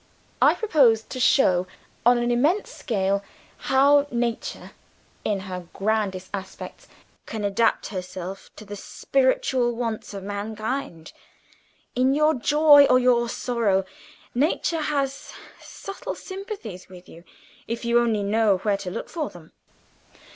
I propose to show (on an immense scale) how Nature (in her grandest aspects) can adapt herself to the spiritual wants of mankind. In your joy or your sorrow, Nature has subtle sympathies with you, if you only know where to look for them.